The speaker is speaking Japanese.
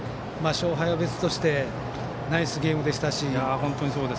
勝敗は別としてナイスゲームでしたし。